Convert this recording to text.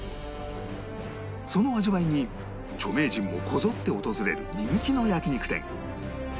その味わいに著名人もこぞって訪れる人気の焼肉店